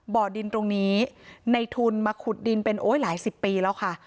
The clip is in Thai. บ่อดินตรงนี้ในทุนมาขุดดินเป็นโอ๊ยหลายสิบปีแล้วค่ะ